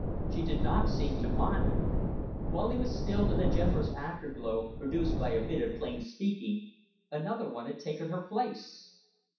She did not seem to mind. While he was still in the generous afterglow produced by a bit of plain speaking, another one had taken her place.